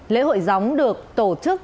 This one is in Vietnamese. lễ hội gióng được tổ chức